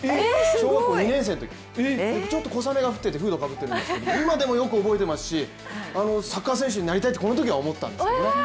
小学校２年生のとき、ちょっと小雨が降っていて、フード、かぶってるんですけど今でもよく覚えてますしサッカー選手になりたいってこのときは思ったんですよね。